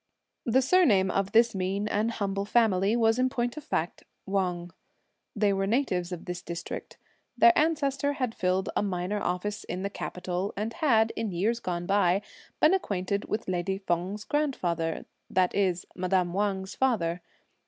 The surname of this mean and humble family was in point of fact Wang. They were natives of this district. Their ancestor had filled a minor office in the capital, and had, in years gone by, been acquainted with lady Feng's grandfather, that is madame Wang's father.